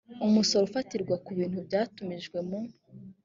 umusoro ufatirwa ku bintu byatumijwe mu